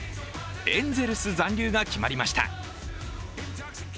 エンゼルス残留が決まりました。